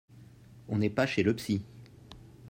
On n’est pas chez le psy